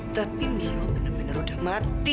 tapi milo bener bener udah mati